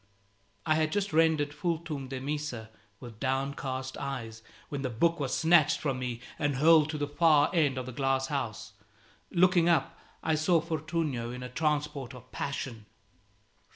.. I had just rendered vultum demissa "with downcast eyes," when the book was snatched from me and hurled to the far end of the glass house. Looking up, I saw Fortunio in a transport of passion.